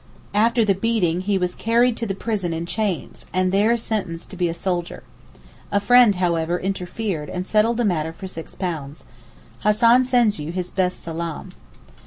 After the beating he was carried to prison in chains, and there sentenced to be a soldier. A friend however interfered and settled the matter for six pounds. Hassan sends you his best salaam.